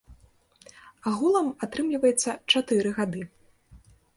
Агулам атрымліваецца чатыры гады.